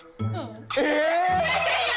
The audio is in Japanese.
え！